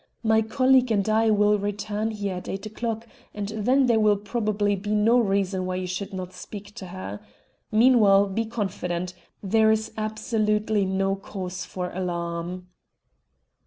My colleague and I will return here at eight o'clock, and then there will probably be no reason why you should not speak to her. Meanwhile be confident; there is absolutely no cause for alarm."